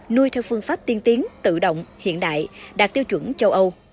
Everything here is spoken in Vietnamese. nuôi theo phương pháp tiên tiến tự động hiện đại đạt tiêu chuẩn châu âu